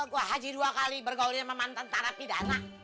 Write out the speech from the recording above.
gue haji dua kali bergaul dengan mantan tanah pidana